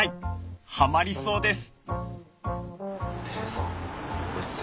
はまりそうです。